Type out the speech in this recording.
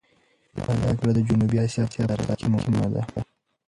دا جګړه د جنوبي اسیا په تاریخ کې مهمه ده.